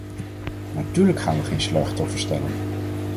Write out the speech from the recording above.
Natuurlijk gaan we geen slachtoffers tellen.